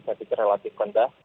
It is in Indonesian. saya pikir relatif rendah